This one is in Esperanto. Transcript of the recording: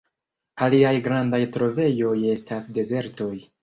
Aliaj grandaj trovejoj estas dezertoj.